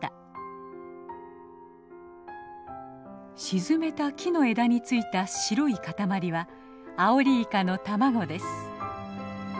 沈めた木の枝についた白い塊はアオリイカの卵です。